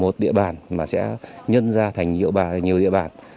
một địa bàn mà sẽ nhân ra thành nhiều địa bàn